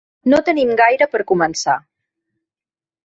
No tenim gaire per començar.